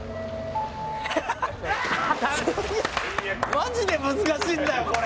「マジで難しいんだよこれ」